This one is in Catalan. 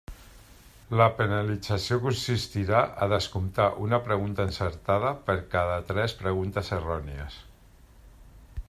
La penalització consistirà a descomptar una pregunta encertada per cada tres preguntes errònies.